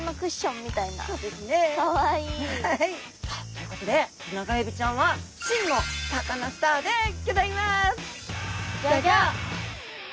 さあということでテナガエビちゃんは真のサカナスターでギョざいます！